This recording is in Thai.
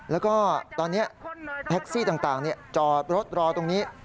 แล้วก็ตอนนี้แท็กซี่ต่างจอดรถรอตรงนี้